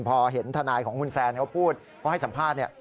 พอเห็นทนายของคุณแซนเขาพูดเขาให้สัมภาษณ์เนี่ย